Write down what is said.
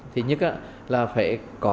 thứ nhất là phải có